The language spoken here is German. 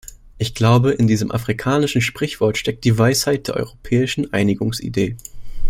Ich glaube, in diesem afrikanischen Sprichwort steckt die Weisheit der europäischen Einigungsidee.